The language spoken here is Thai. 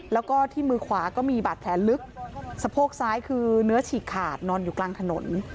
แล้วก็ที่มือขวาก็มีบาดแผลลึกสะโพกซ้ายคือเนื้อฉีกขาดนอนอยู่กลางถนน